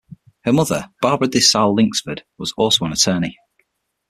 Her mother, Barbara DiSalle Lindskold, was also an attorney.